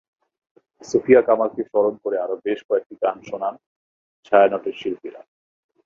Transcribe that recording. সুফিয়া কামালকে স্মরণ করে আরও বেশ কয়েকটি গান শোনান ছায়ানটের শিল্পীরা।